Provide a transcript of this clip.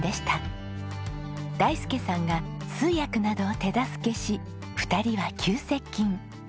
大介さんが通訳などを手助けし２人は急接近。